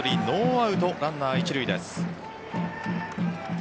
ノーアウトランナー、１塁です。